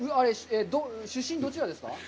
出身はどちらですか？